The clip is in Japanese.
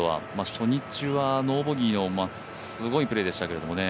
初日はノーボギーのすごいプレーでしたけどもね。